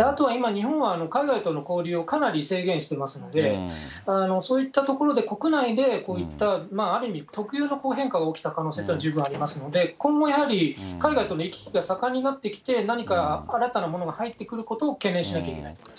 あとは今、日本は海外との交流をかなり制限してますので、そういったところで、国内でこういったある意味、特有の変化が起きた可能性というのは十分ありえますので、今後やはり、海外との行き来が盛んになってきて、何か新たなものが入ってくることを懸念しなきゃいけないと思いま